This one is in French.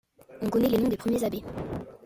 On connait les noms des premiers abbés.